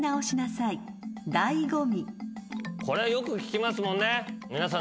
これはよく聞きますもんね。